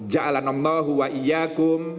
jalan omnohu wa iyakum